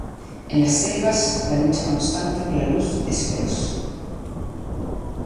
En las selvas, la lucha constante por la luz es feroz.